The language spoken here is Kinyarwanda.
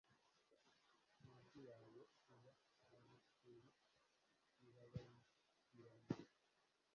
imigi yawe ya alabaster irabagirana